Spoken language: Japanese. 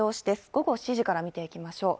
午後７時から見ていきましょう。